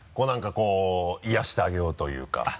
何かこう癒やしてあげようというか。